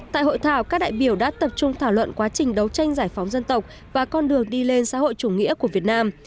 tại hội thảo các đại biểu đã tập trung thảo luận quá trình đấu tranh giải phóng dân tộc và con đường đi lên xã hội chủ nghĩa của việt nam